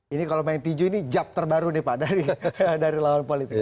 ini kalau main tiju ini jab terbaru nih pak dari lawan politik